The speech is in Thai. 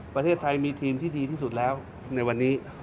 ประเทศไทยมีทีมที่ดีที่สุดแล้วในวันนี้